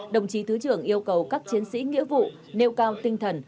đồng chí thứ trưởng yêu cầu các chiến sĩ nghĩa vụ nêu cao tinh thần